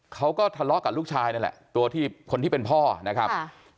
เขาก็ทะเลาะกับลูกชายนั่นแหละตัวที่คนที่เป็นพ่อนะครับ